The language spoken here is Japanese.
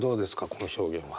この表現は。